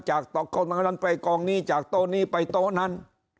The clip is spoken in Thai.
กองนั้นไปกองนี้จากโต๊ะนี้ไปโต๊ะนั้น